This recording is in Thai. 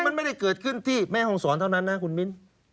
มันไม่ได้เกิดขึ้นที่แม่ห้องศรเท่านั้นนะคุณมิ้น